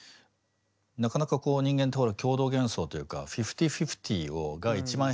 なかなかこう人間ってほら共同幻想というかフィフティーフィフティーが一番平和だと思ってる。